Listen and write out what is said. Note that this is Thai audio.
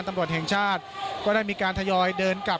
แล้วก็ยังมวลชนบางส่วนนะครับตอนนี้ก็ได้ทยอยกลับบ้านด้วยรถจักรยานยนต์ก็มีนะครับ